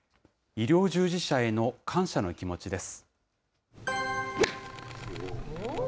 医療従事者への感謝の気持ちです。